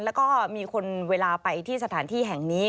แล้วก็มีคนเวลาไปที่สถานที่แห่งนี้